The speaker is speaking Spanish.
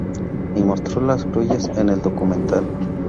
Y mostró las grullas en el documental.